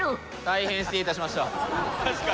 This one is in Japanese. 大変失礼いたしました。